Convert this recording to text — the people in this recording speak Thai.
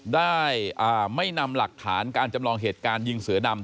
ได้ไม่นำหลักฐานการจำลองเหตุการณ์ยิงเสือดำ